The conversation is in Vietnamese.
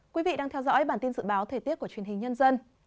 quý vị đang theo dõi bản tin dự báo thời tiết của truyền hình nhân dân